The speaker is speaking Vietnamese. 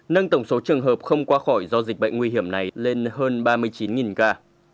nâng tổng số trường hợp không qua khỏi do dịch bệnh nguy hiểm này lên hơn ba mươi chín ca